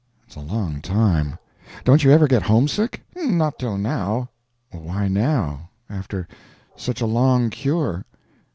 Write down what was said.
"It's a long time. Don't you ever get homesick?" "Not till now." "Why now?—after such a long cure."